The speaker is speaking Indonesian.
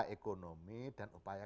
ekonomi dan upaya